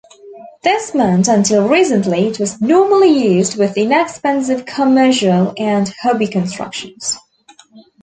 This meant until recently it was normally used with inexpensive commercial and hobby constructions.